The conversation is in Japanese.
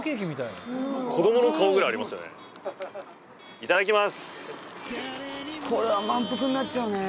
いただきます。